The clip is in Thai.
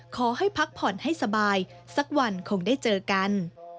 ขอให้พักผ่อนให้สบายสักวันคงได้เจอกัน